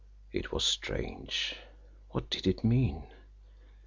It was strange! What did it mean?